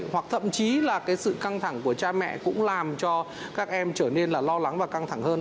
hoặc thậm chí là cái sự căng thẳng của cha mẹ cũng làm cho các em trở nên là lo lắng và căng thẳng hơn